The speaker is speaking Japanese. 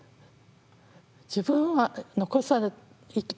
自分は残された。